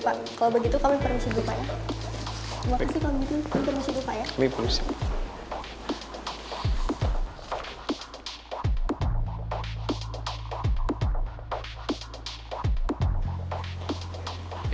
pak kalau begitu kami permisi bukanya maksud kami itu permisi bukanya ini fungsi